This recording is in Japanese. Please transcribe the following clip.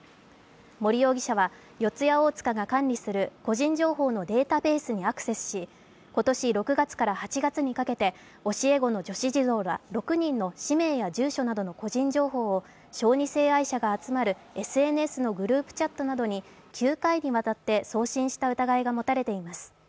森容疑者は四谷大塚が管理する個人情報のデータベースにアクセスし、今年６月から８月にかけて、教え子の女子児童ら６人の氏名や住所などの個人情報を小児性愛者が集まるＳＮＳのグループチャットなどに９回にわたって送信した疑いが持たれています。